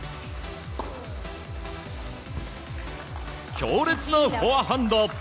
強烈なフォアハンド！